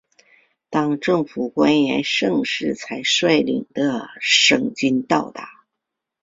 当政府官员盛世才率领的省军到达。